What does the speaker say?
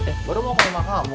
eh baru mau ke rumah kamu